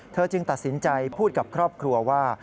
จึงตัดสินใจพูดกับครอบครัวว่า